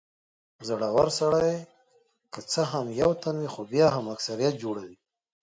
زړور سړی که څه هم یو تن وي خو بیا هم اکثريت جوړوي.